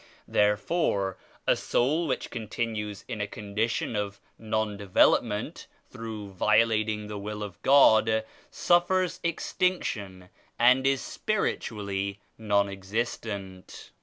Therefore a soul which continues in a condition of non development through violating the Will of God, suffers extinction and is spiritually non existent.